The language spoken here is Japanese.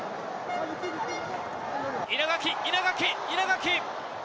稲垣、稲垣、稲垣！